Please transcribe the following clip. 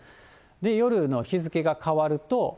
夜の日付が変わると。